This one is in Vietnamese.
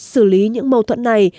xử lý những mâu thuẫn này